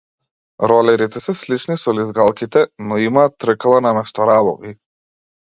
Ролерите се слични со лизгалките, но имаат тркала наместо рабови.